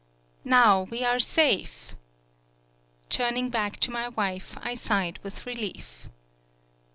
"Now, we are safe!" Turning back to my wife, I sighed with relief.